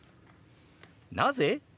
「なぜ？」。